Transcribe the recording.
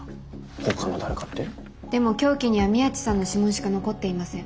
でも凶器には宮地さんの指紋しか残っていません。